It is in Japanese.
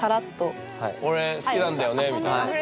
俺好きなんだよねみたいな。